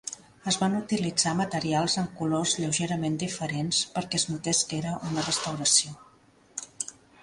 Es van utilitzar materials en colors lleugerament diferents perquè es notés que era una restauració.